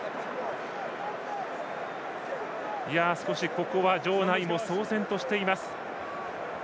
ここは場内も騒然としています。